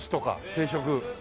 定食。